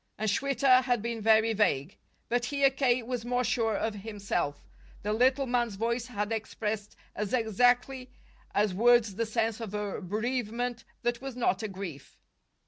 And Schwitter had been very vague. But here K. was more sure of himself: the little man's voice had expressed as exactly as words the sense of a bereavement that was not a grief.